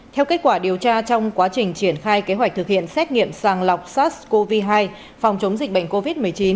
theo kết quả điều tra trong quá trình triển khai kế hoạch thực hiện xét nghiệm sàng lọc sars cov hai phòng chống dịch bệnh covid một mươi chín